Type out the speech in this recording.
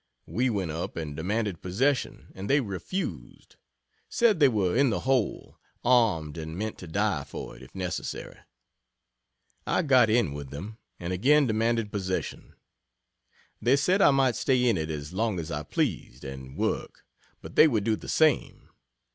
We went up and demanded possession, and they refused. Said they were in the hole, armed and meant to die for it, if necessary. I got in with them, and again demanded possession. They said I might stay in it as long as I pleased, and work but they would do the same.